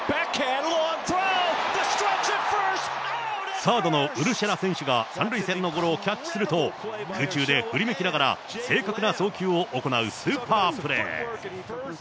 サードのウルシェラ選手が３塁線のゴロをキャッチすると、空中で振り向きながら、正確な送球を行うスーパープレー。